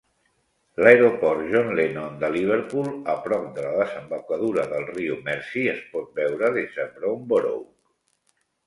L'aeroport John Lennon de Liverpool, a prop de la desembocadura del riu Mersey, és pot veure des de Bromborough.